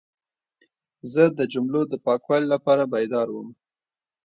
زه د جملو د پاکوالي لپاره بیدار وم.